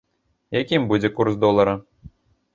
Якім будзе курс долара?